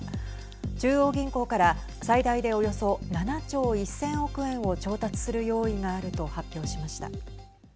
中央銀行から最大でおよそ７兆１０００億円を調達する用意があると発表しました。